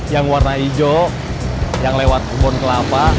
yang warna hijau yang lewat kebun kelapa